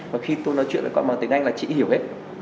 và khi tôi nói chuyện lại gọi bằng tiếng anh là chị hiểu hết